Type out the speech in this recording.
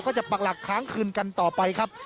จะปักหลักค้างคืนกันต่อไปครับ